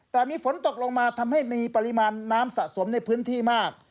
แต่มีฝนตกลงมาทำให้มีปริมาณน้ำสะสมในพื้นที่มาก